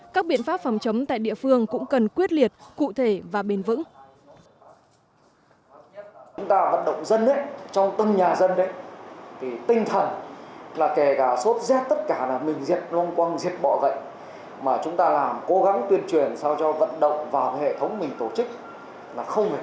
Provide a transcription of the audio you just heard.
các biện pháp phòng chống tại địa phương cũng cần quyết liệt cụ thể và bền vững